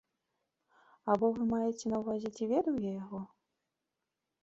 Або вы маеце на ўвазе, ці ведаў я яго?